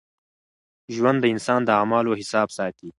ژوند د انسان د اعمالو حساب ساتي.